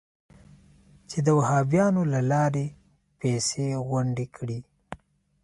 چې د وهابیانو له لارې پیسې غونډې کړي.